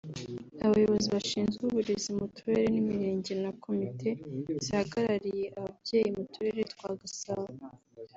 abayobozi bashinzwe uburezi mu turere n’imirenge na komite zihagarariye ababyeyi mu turere twa Gasabo